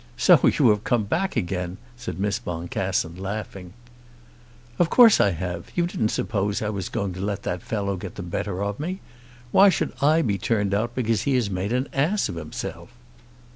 "So you have come back again?" said Miss Boncassen, laughing. "Of course I have. You didn't suppose I was going to let that fellow get the better of me. Why should I be turned out because he had made an ass of himself!"